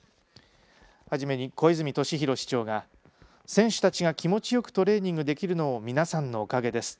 はじめに小泉俊博市長が選手たちが気持ちよくトレーニングできるのも皆さんのおかげです。